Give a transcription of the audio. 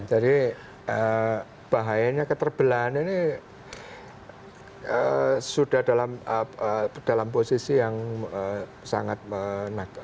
jadi bahayanya keterbelahan ini sudah dalam posisi yang sangat menarik